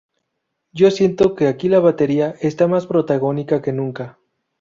Yo siento que aquí la batería está más protagónica que nunca".